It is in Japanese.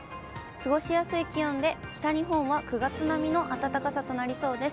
過ごしやすい気温で、北日本は９月並みの暖かさとなりそうです。